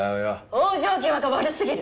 往生際が悪すぎる！